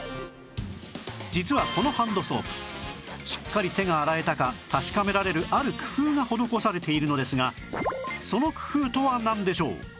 実はこのハンドソープしっかり手が洗えたか確かめられるある工夫が施されているのですがその工夫とはなんでしょう？